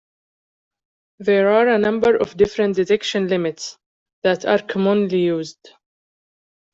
There are a number of different "detection limits" that are commonly used.